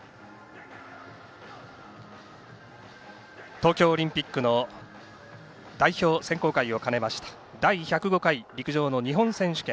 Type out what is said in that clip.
東京オリンピックの代表選考会を兼ねた第１０５回陸上の日本選手権。